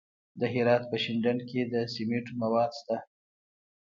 د هرات په شینډنډ کې د سمنټو مواد شته.